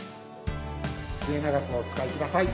末永くお使いください。